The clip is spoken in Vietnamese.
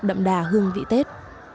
đậm đà hương vị tết